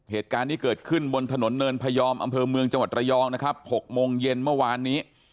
เหตุการณ์นี้เกิดขึ้นบนถนนเนินพยอมอำเภอเมืองจังหวัดระยองนะครับ๖โมงเย็นเมื่อวานนี้